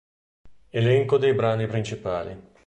Elenco dei brani principali